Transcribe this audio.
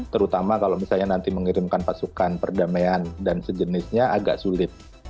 terutama kalau misalnya nanti mengirimkan pasukan perdamaian dan sejenisnya agak sulit